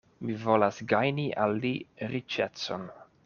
Mi volas gajni al li riĉecon.